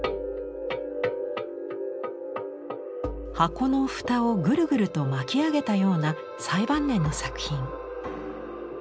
箱の蓋をグルグルと巻き上げたような最晩年の作品。